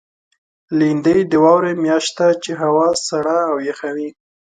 لېندۍ د واورې میاشت ده، چې هوا سړه او یخه وي.